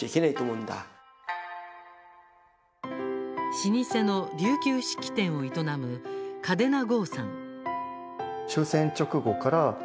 老舗の琉球漆器店を営む嘉手納豪さん。